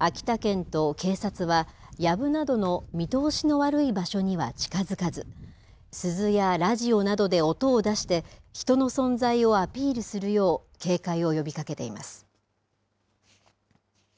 秋田県と警察は、やぶなどの見通しの悪い場所には近づかず、鈴やラジオなどで音を出して人の存在をアピールするよう、警戒を呼びかけています。